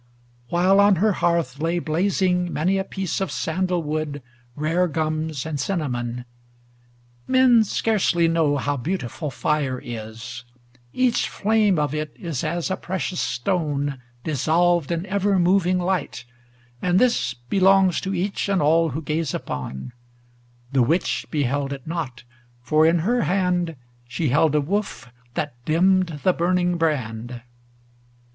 XXVII While on her hearth lay blazing many a piece Of sandal wood, rare gums and cinnamon; Men scarcely know how beautiful fire is; Each flame of it is as a precious stone Dissolved in ever moving light, and this Belongs to each and all who gaze upon; The Witch beheld it not, for in her hand She held a woof that dimmed the burning brand.